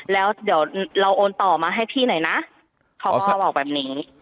แล้วเดี๋ยวเราโอนต่อมาให้พี่หน่อยนะเขาก็บอกแบบนี้